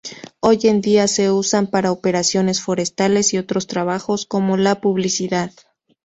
Hoy en día se usan para operaciones forestales y otros trabajos, como la publicidad.